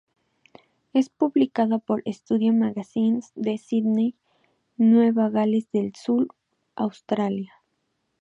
Es publicada por Studio Magazines de Sídney, Nueva Gales del Sur, Australia.